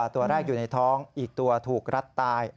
ตัวแรกอยู่ในท้องอีกตัวถูกรัดตาย